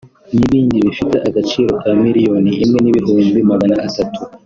n’ibindi bifite agaciro ka miliyoni imwe n’ibihumbi magana atatu